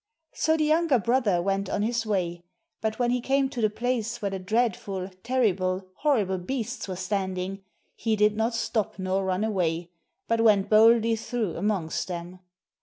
So the younger brother went on his way ; but when he came to the place where the dreadful, terrible, horrible beasts were standing, he did not stop nor run away, but went boldly through amongst them.